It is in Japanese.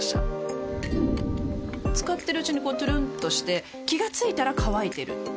使ってるうちにこうトゥルンとして気が付いたら乾いてる